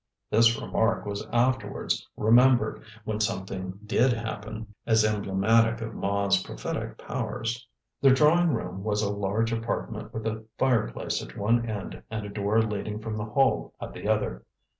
This remark was afterwards remembered when something did happen, as emblematic of Ma's prophetic powers. The drawing room was a large apartment with a fire place at one end and a door leading from the hall at the other.